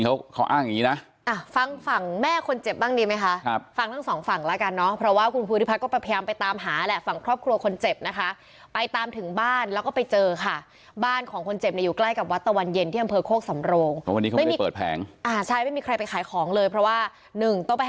เวงกรรมไม่จริงเดี๋ยวมันก็จนเจ๊งไปกันเนี่ยเพราะเรายังรวย